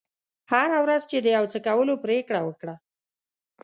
هره ورځ چې د یو څه کولو پرېکړه وکړه.